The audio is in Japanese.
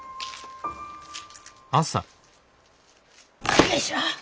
よいしょ。